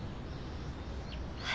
はい。